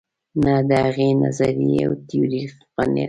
نه د هغې نظریې او تیورۍ حقانیت.